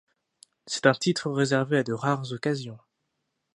C'est un titre réservé à de rares occasions.